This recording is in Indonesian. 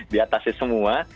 di atasnya semua